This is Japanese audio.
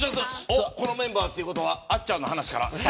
このメンバーということはあっちゃんの話かな。